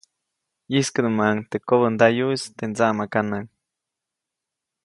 ʼYijskeʼdumaʼuŋ teʼ kobändayuʼis teʼ ndsaʼmakanaŋ.